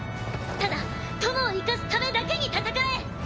ただ友を生かすためだけに戦え！